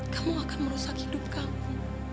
kamu akan merusak hidup kamu